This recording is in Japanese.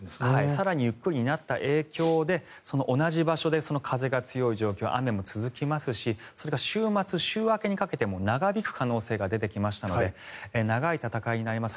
更にゆっくりになった影響で、同じ場所で風が強い状況雨も続きますしそれが週末、週明けにかけても長引く可能性が出てきましたので長い戦いになります。